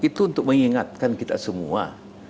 itu untuk mengingatkan kita semua